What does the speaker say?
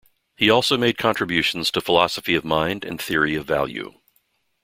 He also made contributions to philosophy of mind and theory of value.